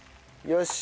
よし！